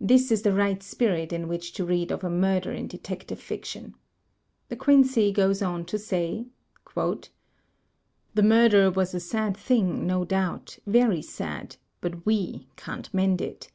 This is the right spirit in which to read of a murder in Detective Fiction. De Quincey goes on to say: "The murder was a sad thing, no doubt, very sad; but we can't mend it.